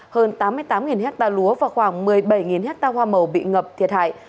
hơn tám mươi tám hecta lúa và khoảng một mươi bảy hecta hoa màu bị ngập thiệt hại